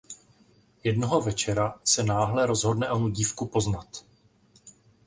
Jednoho večera se náhle rozhodne onu dívku poznat.